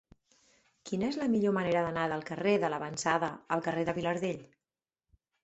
Quina és la millor manera d'anar del carrer de L'Avançada al carrer de Vilardell?